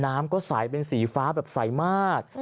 น้ำก็ใสบนสีฟ้าเป็นใสมาก